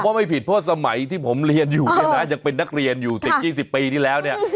ไม่ผิดเพราะสมัยที่ผมเรียนอยู่เนี่ยนะยังเป็นนักเรียนอยู่๑๐๒๐ปีที่แล้วเนี่ย